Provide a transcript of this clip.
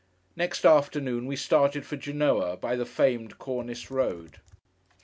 Next afternoon we started for Genoa, by the famed Cornice road.